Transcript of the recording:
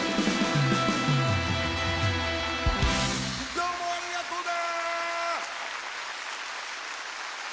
どうもありがとね！